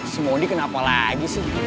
si modi kenapa lagi sih